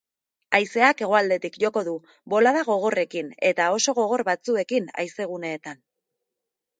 Haizeak hegoaldetik joko du, bolada gogorrekin, eta oso gogor batzuekin haizeguneetan.